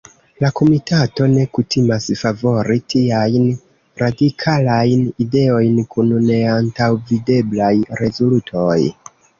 La komitato ne kutimas favori tiajn radikalajn ideojn kun neantaŭvideblaj rezultoj.